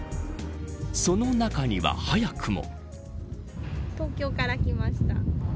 その中には早くも。